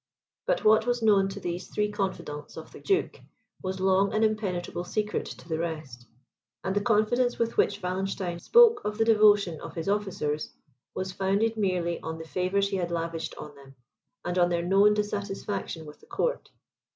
But what was known to these three confidants of the duke, was long an impenetrable secret to the rest; and the confidence with which Wallenstein spoke of the devotion of his officers, was founded merely on the favours he had lavished on them, and on their known dissatisfaction with the Court.